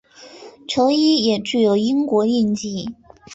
球衣也具有英国印记。